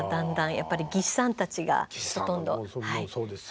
やっぱり技師さんたちがほとんど。